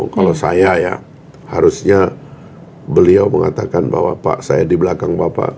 kalau saya ya harusnya beliau mengatakan bahwa pak saya di belakang bapak